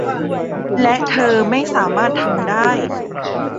และเธอไม่สามารถทำได้